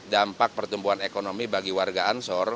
dampak pertumbuhan ekonomi bagi warga ansor